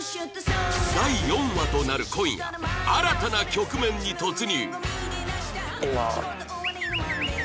第４話となる今夜新たな局面に突入！